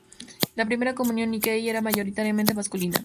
La primera comunidad Nikkei era mayoritariamente masculina.